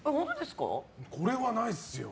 これはないっすよ。